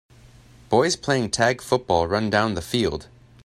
Boys playing tag football run down the field.